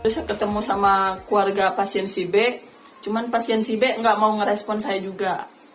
saya ketemu sama keluarga pasien cibeteng cuman pasien cibeteng tidak mau merespons saya juga